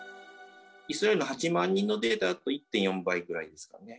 イスラエルの８万人のデータだと１．４倍ぐらいですね。